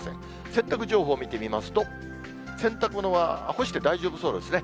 洗濯情報見てみますと、洗濯物は干して大丈夫そうですね。